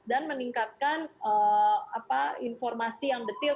dan meningkatkan informasi yang detail